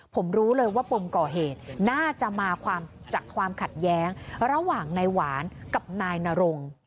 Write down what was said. ผมรู้เลยว่าปมก่อเหตุน่าจะมาจากความขัดแย้งระหว่างนายหวานกับนายนรง